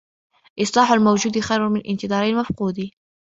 إصلاح الموجود خير من انتظار المفقود